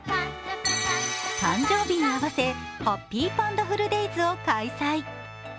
誕生日に合わせハッピーパンダフルデイズを開催。